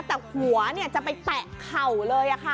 แต่หัวจะไปแตะเข่าเลยค่ะ